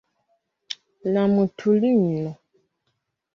La mutulino.